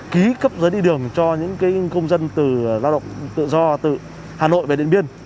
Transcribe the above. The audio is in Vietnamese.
ký cấp giấy đi đường cho những công dân từ hà nội về điện biên